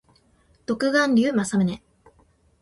独眼竜政宗